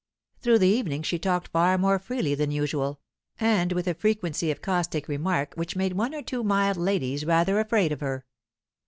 Through the evening she talked far more freely than usual, and with a frequency of caustic remark which made one or two mild ladies rather afraid of her.